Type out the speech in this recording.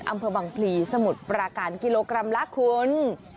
อำเภอบังพลีสมุทรปราการกิโลกรัมละคุณ